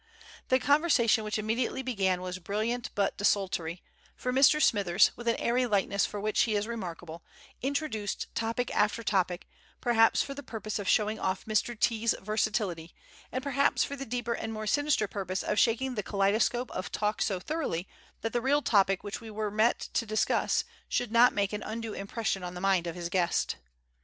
The conversation which immediately began was brilliant but desultory, for Mr. Smithers, with an airy lightness for which he is remarkable, introduced topic after topic, perhaps for the purpose of showing off Mr. T 's versatility, and perhaps for the deeper and more sinister purpose of shaking the kaleidoscope of talk so thoroughly, that the real topic which we were met to discuss should not make an undue impression on the mind of his guest.